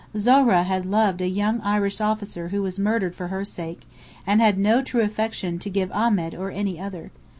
Zohra had loved a young Irish officer who was murdered for her sake, and had no true affection to give Ahmed or any other.